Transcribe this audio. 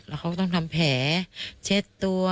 แล้วเขาก็ต้องทำแผลเช็ดตัว